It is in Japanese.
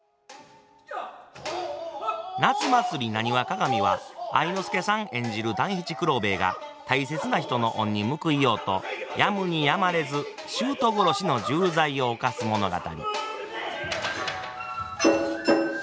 「夏祭浪花鑑」は愛之助さん演じる団七九郎兵衛が大切な人の恩に報いようとやむにやまれず舅殺しの重罪を犯す物語。